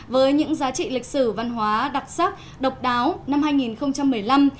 với những giá trị lịch sử văn hóa đặc sắc độc đáo năm hai nghìn một mươi năm